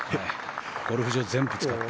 ゴルフ場全部使って。